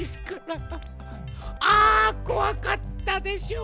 あこわかったでしょう。